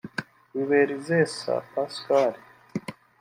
Ruberizesa Pascal